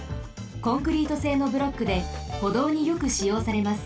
コンクリートせいのブロックでほどうによくしようされます。